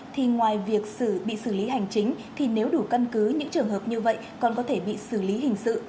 thì ngoài việc bị xử lý hành chính thì nếu đủ căn cứ những trường hợp như vậy còn có thể bị xử lý hình sự